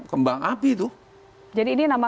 kembang api itu jadi ini nama